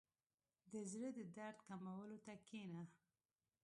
• د زړۀ د درد کمولو ته کښېنه.